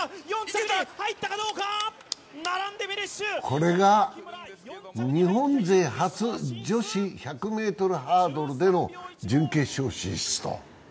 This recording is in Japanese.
これが日本勢初女子１００ｍハードルでの準決勝進出と。